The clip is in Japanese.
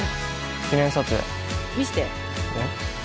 記念撮影見してえっ？